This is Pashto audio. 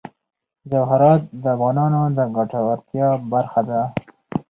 جواهرات د افغانانو د ګټورتیا برخه ده.